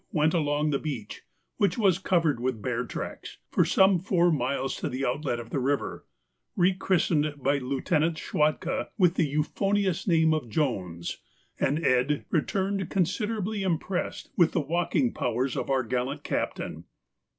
went along the beach, which was covered with bear tracks, for some four miles to the first outlet of the river, re christened by Lieutenant Schwatka with the euphonious name of Jones, and Ed. returned considerably impressed with the walking powers of our gallant captain.